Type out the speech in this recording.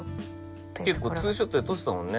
結構ツーショットで撮ってたもんね。